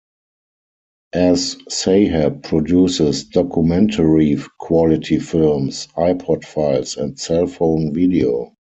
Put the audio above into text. As-Sahab produces documentary-quality films, iPod files and cellphone video.